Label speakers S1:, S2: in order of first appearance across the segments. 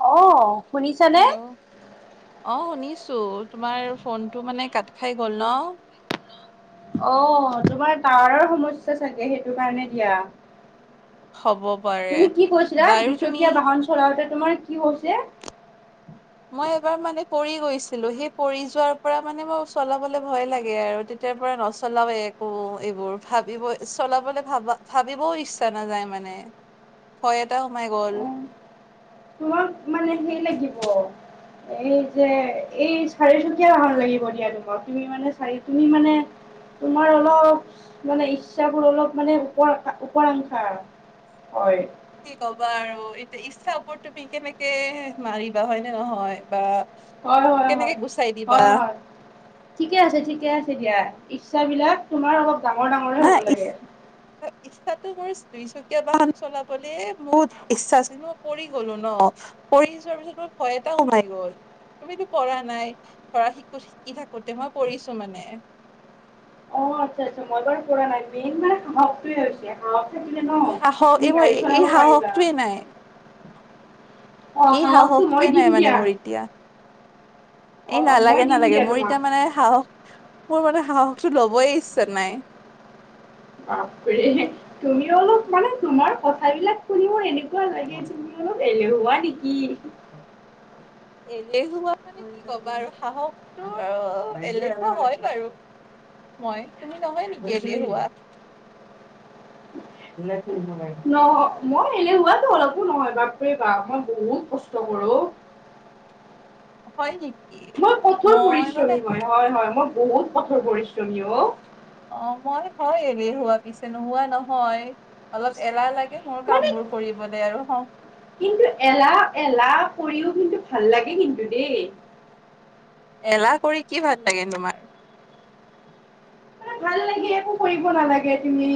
S1: অ', শুনিছানে?
S2: হেল্ল' অ', শুনিছ ছু তোমাৰ ফোনটো মানে কাট খাই গ'ল ন?
S1: অ', তোমাৰ টাৱাৰৰ সমস্যা চাগে সেইটো কাৰণে দিয়া।
S2: হ'ব পাৰে
S1: তুমি কি কৈছিলা,
S2: বাৰু তুমি
S1: দুচকীয়া বাহন চলাওতে তোমাৰ? কি কৰিছে?
S2: ম এবাৰ মানে পৰি গৈছিলো সেই পৰি যোৱাৰ পৰা মানে ম চলাবলৈ ভয় লাগে আৰু তেতিয়াৰ পৰা নচলাও একো এইবোৰ ভাবিব চলাবলৈ ভাবা-ভাবিবও ইচ্ছা নাযায় মানে। হয় এটা সোমাই গ'ল।
S1: অ', তোমাক মানে হেই লাগিব। এই যে এই চাৰিচকীয়া বাহন লাগিব দিয়া তোমাক তুমি মানে চাৰি তুমি মানে তোমাৰ অলপ মানে ইচ্ছাবোৰ অলপ মানে পৰ-ওপৰাংশা আৰ। হয়।
S2: কি ক'বা আৰু এতিয়া ইচ্ছাৰ ওপৰত তুমি কেনেকে মাৰিবা হয়নে নহয় বা?
S1: হয় হয়
S2: কেনেকে
S1: হয়।
S2: গুচাই দিবা
S1: হয় হয়। ঠিকে আছে ঠিকে আছে দিয়া। ইচ্ছাবলাক তোমাৰ অলপ ডাঙৰ ডাঙৰে হ'ব লাগে।
S2: তাতো মোৰ দুইচকীয়া বাহন চলাবলে বহুত ইচ্ছা আছিল ন পৰি গলো ন পৰি পৰি যোৱাৰ পিছত মোৰ ভয় এটা সোমাই গ'ল। তুমিতো পৰা নাই ধৰা শিকো শিকি থাকোতে মই পৰিছো মানে।
S1: অ, আচ্ছা আচ্ছা মই বাৰু পৰা নাই মেইন মানে সাহসটোৱে হৈছে সাহস থাকিলে ন
S2: সাহস
S1: তুমি
S2: এই মই
S1: গাড়ী
S2: এই
S1: চলাব পাৰিবা।
S2: সাহসটোৱে নাই
S1: অ,
S2: এই
S1: সাহসটো মই
S2: সাহসটোৱে নাই
S1: দিম
S2: মানে
S1: দিয়া।
S2: মোৰ এতিয়া
S1: অ
S2: এই
S1: অ মই
S2: নালাগে
S1: দিম
S2: নালাগে
S1: দিয়া
S2: মোৰ
S1: তোমাক
S2: এতিয়া মানে সাহস মোৰ মানে সাহসটো লবই ইচ্ছা নাই।
S1: বাপৰে তুমি অলপ মানে তোমাৰ কথাবিলাক শুনি মোৰ এনেকুৱা কুৱা লাগে তুমি অলপ এলেহোৱা নেকি?
S2: [unintelligible] এলেহুৱা মানে কি কবা আৰু সাহসটো আৰু এলেহুৱ হয় বাৰু। মই। তুমি নহয় নেকি এলেহুৱা?
S1: নহ মই এলেহুৱাটো অলপো নহয়, বাপৰে বাপ মই বহুত কষ্ট কৰো।
S2: হয় নে
S1: মই কঠোৰ পৰিশ্ৰমী, হয়, হয়, হয়। মই বহুত কঠোৰ পৰিশ্ৰমী অ'।
S2: অ', মই হয় এলেহুৱা পিছে নোহোৱা নহয়। অলপ এলাহ লাগে মোৰ
S1: মানে
S2: কামবোৰ কৰিবলে আৰু হ
S1: কিন্তু এলাহ-এলাহ কৰিও কিন্তু ভাল লাগে কিন্তু দেই।
S2: এলাহ কৰি কি ভাল লাগে তোমাৰ?
S1: ভাল লাগে, একো কৰিব নালাগে তুমি।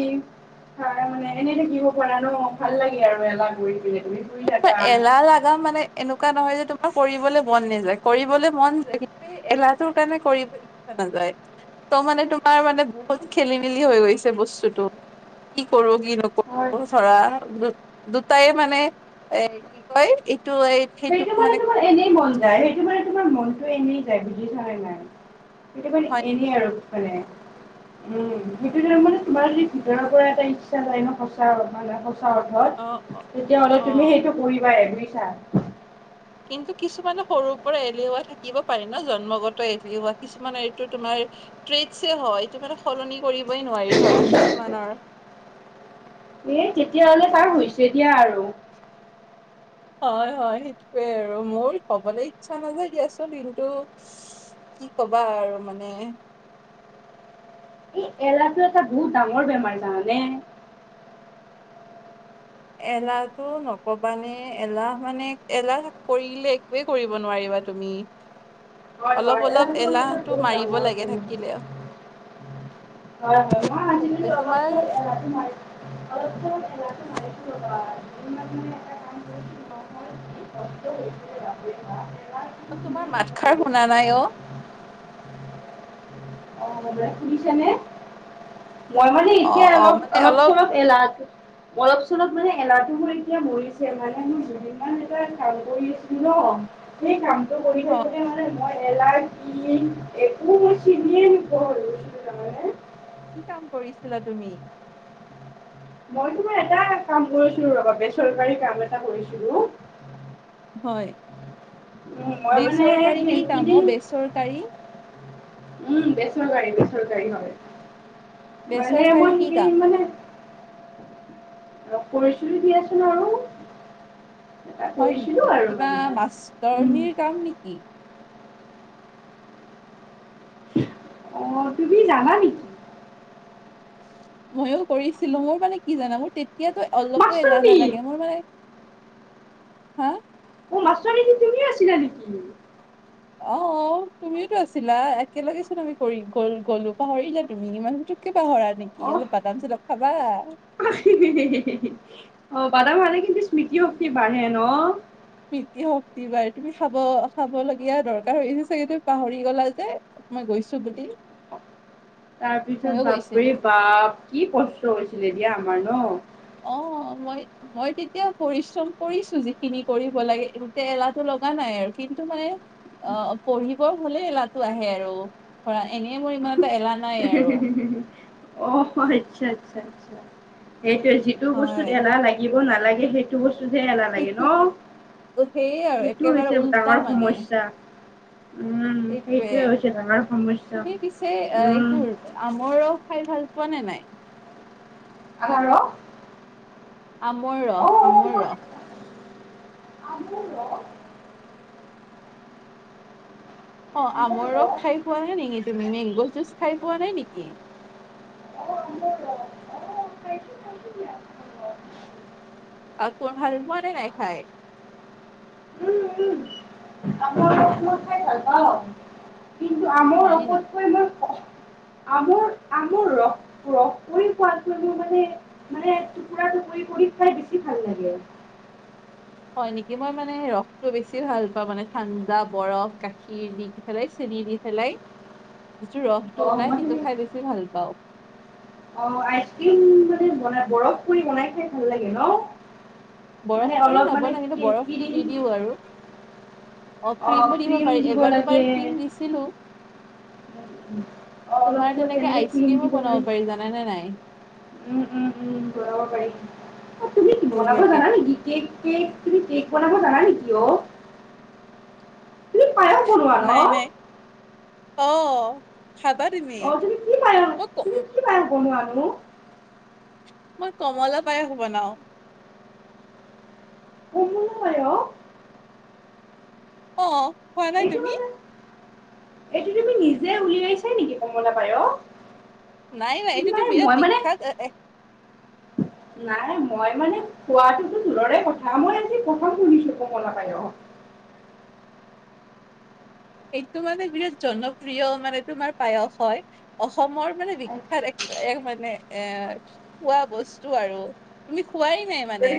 S1: তৰমানে এনে থাকিব পৰা ন, ভাল লাগে আৰু এলাহ কৰি। পিনে তুমি শুই
S2: কিন্তু তোমাৰ
S1: থাকা
S2: এলাহ লাগা মানে এনেকু কুৱা নহয় যে তোমাৰ কৰিবলৈ মন নাযায়, কৰিবলৈ মন যায় [unintelligible] এলাহটোৰ কাৰণে কৰিব ইচ্ছা নাযায়। হয়। ত মানে তোমাৰ মানে বহুত খেলি-মেলি হৈ গৈছে বস্তুটো। কি কৰো, কি
S1: হয়
S2: নকৰো? ধৰা দু-দুটাই মানে এ কি কয় এই সেইটোক
S1: সেইটো মানে তোমাৰ এনেই মন যায়। সেইটো মানে তোমাৰ মনতটো এনেই যায় বুজিছানে নাই? কেতিয়াবা
S2: হয়
S1: এনেই
S2: নেকি?
S1: আৰু মানে। উম, সেইটো তাৰমানে তোমাৰ সেই ভিতৰৰ পৰা এটা ইচ্ছা যায় ন, সঁচা মানে চা
S2: অ',
S1: অৰ্থত,
S2: অ',
S1: তেতিয়াহ'লে তুমি
S2: অ'।
S1: সেইটো কৰিবায়ে বুজিছা?
S2: কিন্তু কিছুমানে সৰু পৰায়ে এলেহুৱা থাকিব পাৰি ন, জন্মগত এলেহুৱা কিছুমান এইটো তোমাৰ ট্ৰেডছৈ হয়, এইটো মানে সলনি কৰিবই নোৱাৰি ধৰা কিছুমানৰ।
S1: এ তেতিয়াহলে তাৰ হৈছে দিয়া আৰু
S2: হয়, হয়, সেইটোৱে আৰু মোৰ ক'বলৈ ইচ্ছা নাযায় দিয়াচোন, কিন্তু কি ক'বা আৰু মানে।
S1: এই এলাহটো এটা বহুত ডাঙৰ বেমাৰ জানানে।
S2: এলাহটো নকবানে, এলাহ মানে এলাহ কৰিলে একোৱে কৰিব নোৱাৰিম। বা তুমি
S1: হয় হয়
S2: অলপ অলপ
S1: মানে এটা
S2: এলাহটো
S1: বহুত
S2: মাৰিব
S1: ডাঙৰ
S2: লাগে
S1: বেমাৰ
S2: থাকিলে।
S1: হয়, হয়, মই
S2: সেইটোৱে
S1: আাজিকলি
S2: তোমাৰ
S1: অলপ-চলপ এলহটো মাৰি অলপ-চলপ এলাহটো মাৰিছো ৰ'বা। দুদিনমান মানে এটা কাম কৰি
S2: অ'।
S1: [unintelligible]
S2: অ', তোমাৰ মাতষাৰ শুনা নাই অ'।
S1: অ', [unintelligible] শুনিছানে? মই মানে
S2: অ
S1: এতিয়া
S2: অ
S1: অলপ,
S2: মানে অলপ
S1: অলপ-চলপ এলাহটো অলপ-চলপ মানে এলাহটো মোৰ এতিয়া মৰিছে, মানে মোৰ জুদিনমান এটা কাম কৰি আছিলো ন অ', সেই কামতটো কৰি
S2: অ
S1: থাকোতে মানে মই এলাহ কি, একো মই চিনিয়ে নোপোৱা হৈ গৈছিলো জানানে?
S2: কি কাম কৰিছিলা তুমি?
S1: মই তোমাৰ এটা কাম কৰিছিলো ৰবা বেচৰকাৰী কাম এটা কৰিছিলো।
S2: হয়
S1: উম মই মানে
S2: বেচৰকাৰী কি কাম
S1: সেইকেইদিন
S2: অ বেচৰকাৰী।
S1: উম বেচৰকাৰী বেচৰকাৰী ভাবে। মানে
S2: বেচৰকাৰী
S1: মই
S2: কি কাম?
S1: সৰি মানে। আৰু খৰি চৰি দি আছ আৰু। এটা
S2: হয় নেকি?
S1: কৰিছিলো আৰু
S2: কিবা
S1: মানে উম।
S2: মাষ্টৰনীৰ কাম নেকি?
S1: অঁ, তুমি যানা নেকি?
S2: মইয়ো কৰিছিলো মোৰ মানে কি জানা মোৰ তেতিয়াতো অলপো এলাহ
S1: মাষ্টৰনী
S2: নালাগে মোৰ মানে। হা?
S1: অ মাষ্টৰনী কি তুমি আছিলা নেকি?
S2: অ অ তুমিওতো আছিলা একেলগেচোন আমি কৰি গল গলো পাহৰি যা তুমি ইমান। পাহৰা নেকি
S1: অ
S2: অলপ বাদাম সদম খাবা?
S1: অ বাদাম খালে কিন্তু স্মৃতি শক্তি বাঢ়ে ন।
S2: স্মৃতিশক্তি বাৰে তুমি তুমি খাব খাব লগীয়া দৰকাৰ হৈছে চাগে তুমি পাহৰি গলা যে। মই গৈছো বুলি।
S1: তাৰপিছত
S2: মইয়ো
S1: বাপৰে
S2: গৈছিলো।
S1: বাপ কি কষ্ট হৈছিলে দিয়া আমাৰ ন।
S2: অ মই মই তেতিয়া পৰিশ্ৰম কৰিছো যিখিনি কৰিব লাগে গোটে এলাটো নাই কিন্তু মানে অ পঢ়িবৰ হলে এলাটো আহে আৰু ধৰা এনে মোৰ ইমান এটা এলাহ নাই আৰু
S1: [unintelligible] অ আচ্ছা আচ্ছা আচ্ছা। সেইটোয়ে যিটো বস্তুত
S2: হয়
S1: এলাহ লাগিব নালাগে সেইটো বস্তু সেইটোতে এলাহ লাগে ন,
S2: সেইটোত সেয়ে আৰু
S1: সেইটো
S2: একেবাৰে
S1: হৈছে
S2: উল্টা
S1: ডাঙৰ
S2: মানে
S1: সমস্যা। উম
S2: সেইটোৱে
S1: সেইটোয়ে হৈছে ডাঙৰ সমস্যা উম।
S2: আমৰো খাই ভাল পোৱা নে নাই?
S1: আমৰু
S2: আমৰ ৰস আমৰ ৰস।
S1: আমৰ ৰস
S2: অ আমৰ ৰস খাই পোৱা নাই নেকি তুমি মেংগ' জুচ খাই পোৱা নাই নেকি?
S1: আমৰ ৰস অ খাইছো খাইছো দিয়া আমৰ ৰস
S2: আকৌ ভাল পোৱা নে নাই খাই?
S1: উম, উম, আমৰ ৰস মই খাই ভাল পাওঁ। কিন্তু আমৰ
S2: হয় নেকি
S1: ৰসত টোমানে লাগে।
S2: হয় নেকি মই মানে ৰসটো বেছি ভাল পাওঁ মানে ঠাণ্ডা বৰফ গাখীৰ দি পেলাই চ নিদি পেলাই যিটো ৰসটো
S1: অ'
S2: ওলাই
S1: মই
S2: সেইটো
S1: তেনে
S2: খাই বেছি ভাল পাওঁ।
S1: অ আইচক্ৰীম মানে বনাই বৰফ কৰি বনাই খাই ভাল লাগে ন?
S2: বৰফ
S1: মানে
S2: কৰি
S1: অলপ মানে
S2: নবনাই কিন্তু
S1: কি
S2: বৰফটো
S1: ক্ৰীম
S2: দি দিও আৰু অ
S1: অ'
S2: ক্ৰীমো দি
S1: ক্ৰীম
S2: পাৰি,
S1: দিব
S2: এবাৰ
S1: লাগে।
S2: দুবাৰ ক্ৰীম দিছিলো।
S1: উম, অ' অলপ
S2: তোমাৰ
S1: চলপ
S2: তেনেকে আইচ
S1: ক্ৰীম
S2: ক্ৰীমো
S1: দিব
S2: বনাব পাৰি জানেনে নাই?
S1: উম উম বনাব পাৰি। অ তুমি কি বনাব
S2: সহিয়েক
S1: জানা
S2: কেইটা?
S1: নেকি কেক কেক তুমি কেক বনাব জানা নেকি অ? তুমি পায়স বনোৱা ন?
S2: নাই নাই অ খাবা তুমি মই ক
S1: বনোৱা নো!
S2: মই কমলৰ পায়ক বনাও।
S1: কমলা পায়স
S2: অৱ খোৱা নাই
S1: এইটো
S2: তুমি?
S1: মানে উলিয়াইছে নেকি কমলা পায়ক!
S2: নাই নাই এইটোতো বিৰাট বিখ্যাত এ এ
S1: নাই মই মানে খোৱাটোতো দূৰৰে কথা মই আজি প্ৰথম শুনিছো কমলা পায়ক।
S2: [inaudible] এইটো মানে বিৰাট জনপ্ৰিয় মানে তোমাৰ পায়স হয়। অসমৰ মানে বি [inaudible] এক মানে এ খোৱা বস্তু আৰু তুমি খোৱাই নাই মানে
S1: গতিকে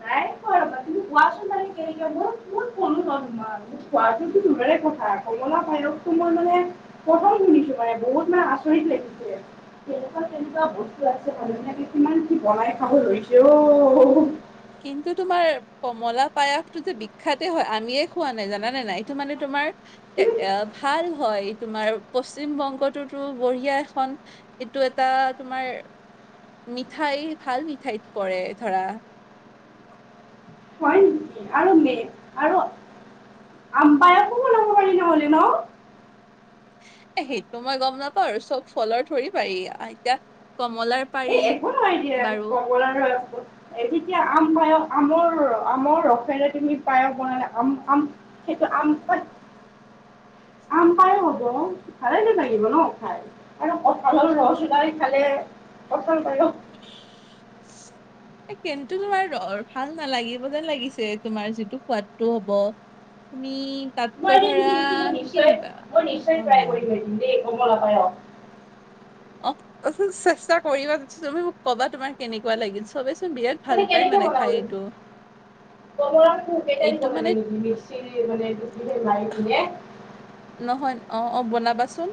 S1: নাই খোৱা ৰ'বা তুমি কোৱাচোন মানে মই মত কলো ন তোমাৰ মোক খোৱাটোতো দুবৰে কথা কমলা বাইৰকতো মই মানে কঠম শুনিছো মানে বহুত মানে আচৰিত লাগিছিল তেনেকুৱা তেনেকুৱা বস্তু আছে মানুহনীয়াকে কিমান কি বনাই খাব লৈছে অ
S2: কিন্তু তোমাৰ কমলা পায়সটো যে বিখ্যয়া হয় আমিয়ে খোৱা নাই জানানে নাই এইটো মানে তোমাৰ তোমাৰ এ
S1: তুমি
S2: এ ভাল হয় তোমাৰ পশ্চিম বংগটোতো বঢ়িয়া এখন এইটো এটা তোমাৰ মিঠাই ভাল মিঠাইত পৰে ধৰা
S1: হয় নেকি আৰু মে আৰু পায়সো বনাব পাৰি ন নহলে এইটো
S2: এ সেইটো মই গম নাপাওঁ আৰু চব ফলৰ ধৰি পাৰি এতিয়া। কমলাৰ পাৰি
S1: দিয়ে
S2: বাৰু
S1: কমল আৰু যেতিয়া আম আম পায়স আমৰ আমৰ ৰসেৰে তুমি পায়স বনালে আম আম সেইটো আম
S2: [inaudible]
S1: খ হ'ব খাল লাগিব ন খাই আৰু কঁঠাল হল ৰহগোলাই খালে কঁঠাল পায়স
S2: [inaudible] কিন্তু তোমাৰ ভাল নালাগিবিব যে লাগিছে তোমাৰ যিটো সোৱাদটো হব তুমি
S1: মই
S2: তাতকৈ
S1: এদিন
S2: ধৰা
S1: কিন্তু মই
S2: কি
S1: নিশ্চয় বল
S2: অ' চেষ্টা কৰিবা তুমি মোক কবা তুমাৰ কেনেকুৱা লাগিল চবে
S1: মান কেনেকে বনাবা কমলত কেইটা দিব
S2: এইটো
S1: লাগে
S2: মানে
S1: নেকি মিক্সি মানে মাৰি পিনে।
S2: নহয় অ অ বনাবাচোন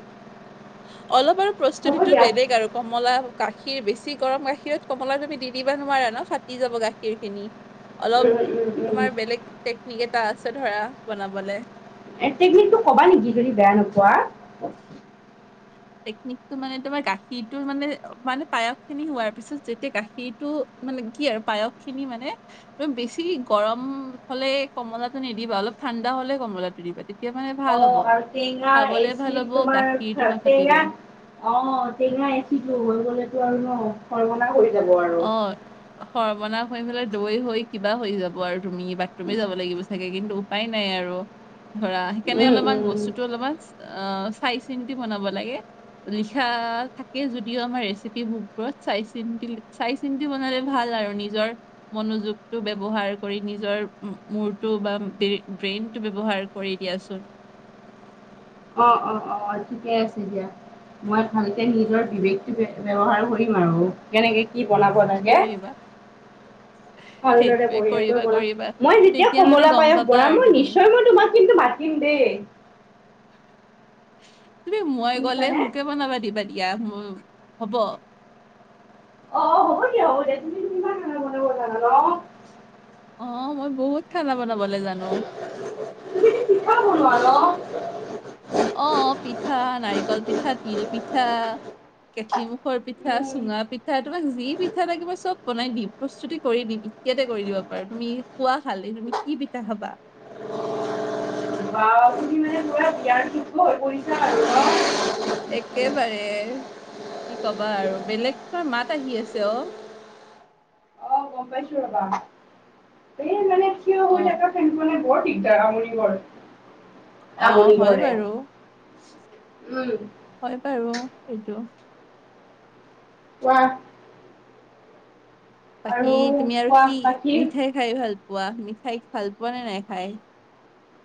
S2: অলপ আৰু
S1: হ'ব
S2: প্ৰস্তুতিটো
S1: দিয়া।
S2: বেলেগ আৰু কমলা। গাখীৰ বেছি গৰম গাখীৰত কমলা তুমি দি দিবা নোৱাৰা ন ফাটি যাব গাখীৰ খিনি অলপ
S1: উম উম উম
S2: তোমাৰ বেলেগ টেকনিক এটা আছে ধৰা বনাবলে।
S1: টেকনিকটো কবা নেকি যদি বেয়া নোপোৱা
S2: টেকনিকটো মানে তোমাৰ গাখীৰটোৰ মানে মানে পায়স খিনি হোৱাৰ পিছত যেতিয়া গাখীৰটো মানে কি আৰু পায়স খিনি মানে এক বেছি গৰম হলে কমলাটো নিদিবা অলপ ঠাণ্ডা হলে কমলা দেৰি বাতি
S1: অ 'আৰু টেঙা
S2: ভাল
S1: এচিড
S2: হ'ব গাখীৰটো
S1: তোমাৰ টেঙা
S2: নাফাটিলে।
S1: অ টেঙা এচিটো হৈ গলেতো আৰু ন খৰমলা কৰি। আৰু
S2: অ সৰ্বনাশ হৈ কিবা হৈ যাব আৰু তুমি বা তুমি যাব লাগিব চাগে কিন্তু উপায় নাই আৰু ধৰা সেইকাৰণে
S1: উম
S2: অলপমান
S1: উম
S2: বস্তুতটো অলপমান অ চাই চিনতি বনাব লাগে লিখা থাকে যদিও আমাৰ ৰেচিপি বুকবোৰত চাই চিন্ত চাই চিন্তি বনালে ভাল আৰু নিজৰ মনোযোগটো ব্যৱহাৰ কৰি নিজৰ মূৰটো বা ব্ৰেইন টো ব্যৱহাৰ কৰি দিয়াচোন
S1: অ অ অ ঠিকে আছে দিয়া মই ভালকে নিজৰ বিবেকটো ব্যৱহাৰ কৰিম আৰু কেনেকে। কি বনাব লাগে
S2: কৰিবা
S1: ভালদৰে
S2: সেইটোৱে
S1: বঢ়িয়াকৈ
S2: কৰিবা
S1: বন
S2: কৰিবা
S1: মই যেতিয়া
S2: তেতিয়া মানে
S1: কমলা
S2: গম
S1: পায়স
S2: পাবা
S1: বন
S2: আৰু
S1: মই
S2: তুমি
S1: নিশ্চয় মই তোমাক কিন্তু মাতি দে
S2: [inaudible] তুমি মই গলে
S1: শুনিছানে?
S2: মোকে বনাবা দিবা দিয়া মোৰ হব
S1: অ', হ'ব খানা বনাব জানা ন
S2: অ মই বহুত খানা বনাবলে জানো
S1: তুমিতো পিঠাও ন '
S2: অ - অ পিঠা নাৰিকল পিঠা তিল পিঠা কেঠলিমুখৰ পিঠা,
S1: উম,
S2: চুঙা পিঠা তোমাক যি পিঠা লাগিব চব বনাই দিম প্ৰস্তুতি কৰি দিম। ইয়াতে কৰি দিব পাৰো, তুমি খোৱা খালে তুমি কি পিঠা খাবা?
S1: বা তুমি মানে পুৰা বিয়াৰ যোগ্য হৈ পৰিছা আৰু ন?
S2: একেবাৰে কি কবা আৰু বেলেগ তোমাৰ মাত আহি আছে অ।
S1: অ গম পাইছো। ৰ'বা। এই মানে থিয় হৈ
S2: অ
S1: থকা ফেনখনে দিগদাৰ আমনি ঘৰ।
S2: অ হয় বাৰু
S1: উম।
S2: হয় বাৰু এইেটো।
S1: কোৱা আৰু
S2: বাকী তুমি আৰু
S1: কোৱা
S2: কি
S1: বাকী
S2: মিঠাই খাই ভাল পোৱা, মিঠাই ভাল পোৱা নে নাই খাই?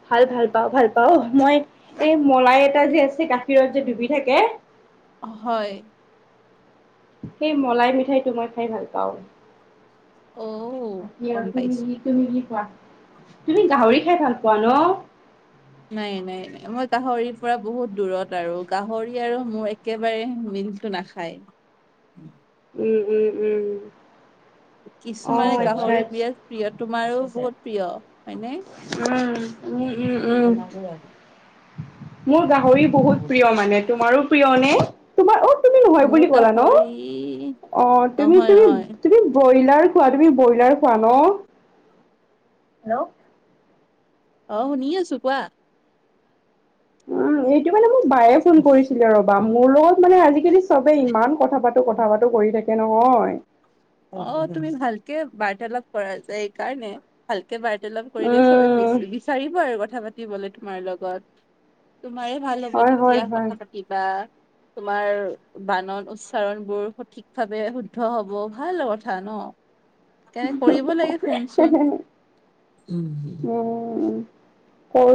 S1: ভাল ভাল পাওঁ ভাল পাওঁ, মই এই মলাই এটা যে আছে গাখীৰত যে ডুবি থাকে
S2: হয়
S1: সেই মলাই মিঠাইটো মই খাই ভাল পাওঁ।
S2: অ
S1: বাকি আৰু
S2: গম
S1: তুমি
S2: পাইছো
S1: কি তুমি কি তুমি গাহৰি খাই ভাল পোৱা ন?
S2: নাই নাই নাই মই গাহৰিৰ পৰা বহুত দূৰত আৰু গাহৰি আৰু মোৰ একেবাৰে মিল টো নাখায়।
S1: উম উম উম অ
S2: কিছুমানে
S1: আচ্ছা
S2: গাহৰি বিৰাত
S1: আচ্ছা
S2: প্ৰিয়, তোমাৰো বহুত প্ৰিয়। হয়নে
S1: উম উম উম উম, মোৰ গাহৰি বহুত প্ৰিয় মানে, তোমাৰো প্ৰিয় নে? তোমাৰ অ তুমি নহয়
S2: মোৰ
S1: বুলি কলা ন?
S2: গাহৰি
S1: অ তাৰমানে
S2: নহয়
S1: তুমি
S2: নহয়
S1: তুমি বৈলা ব্ৰইলাৰ খোৱা, তুমি ব্ৰইলাৰ খোৱা ন? হেল্ল'
S2: অ শুনি আছো কোৱা।
S1: অ এইটো মানে মোৰ বায়ে ফোন কৰিছিলে ৰবা মোৰ লগত মানে আজিকালি চবে ইমান কথা পাতো কথা পাতো কৰি থাকে নহয়।
S2: অ তুমি ভালকে বাৰ্তালাপ কৰা যে এইকাৰণে, ভালকে বাৰ্তা লাপ কৰিলে চবে
S1: উম,
S2: বিচাৰিবই আৰু কথা পাতিবলে তোমাৰ লগত। তোমাৰে ভাল হ'ব
S1: হয় হয়
S2: তেতিয়া
S1: হয়।
S2: কথা পাতিবা। তোমাৰ বানন উচ্চাৰণ বোৰ সঠিক ভাৱে শুদ্ধ হব। ভাল কথা ন। কে কৰিব লাগে ফুনচুন। [unintelligible]
S1: উম, কৰো